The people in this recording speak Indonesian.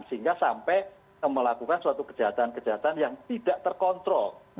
sehingga sampai melakukan suatu kejahatan kejahatan yang tidak terkontrol